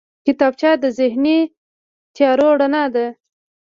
کتابچه د ذهني تیارو رڼا ده